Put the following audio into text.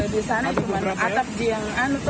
di sana di atap di yang anu tuh